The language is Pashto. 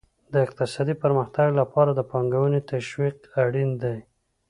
د اقتصادي پرمختګ لپاره د پانګونې تشویق اړین دی.